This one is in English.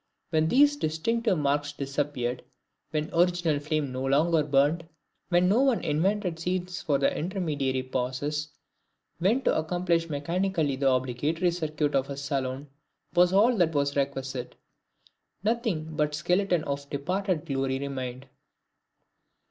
When these distinctive marks disappeared, when the original flame no longer burned, when no one invented scenes for the intermediary pauses, when to accomplish mechanically the obligatory circuit of a saloon, was all that was requisite, nothing but the skeleton of departed glory remained.